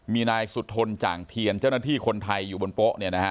มีนายสุธนจ่างเทียนเจ้าหน้าที่คนไทยอยู่บนโป๊ะเนี่ยนะฮะ